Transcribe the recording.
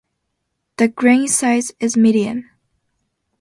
The grain size is medium.